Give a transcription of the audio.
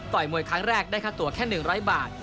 มวยครั้งแรกได้ค่าตัวแค่๑๐๐บาท